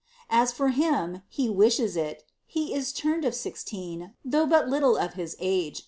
— As foi him, he wishes h. He ia turned of sixteen, though but little of his age.'